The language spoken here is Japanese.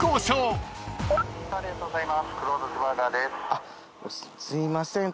あっすいません